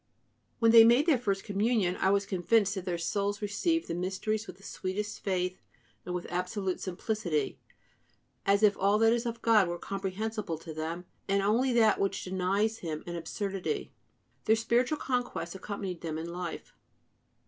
When they made their first Communion, I was convinced that their souls received the mysteries with the sweetest faith and with absolute simplicity, as if all that is of God were comprehensible to them, and only that which denies Him an absurdity. Their spiritual conquest accompanied them in life.